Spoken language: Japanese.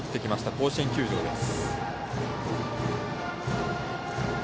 甲子園球場です。